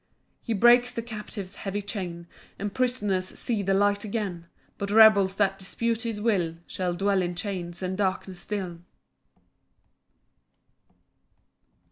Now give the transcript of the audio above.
5 He breaks the captive's heavy chain, And prisoners see the light again; But rebels that dispute his will, Shall dwell in chains and darkness still.